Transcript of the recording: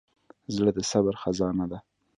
زړه د صبر خزانه ده.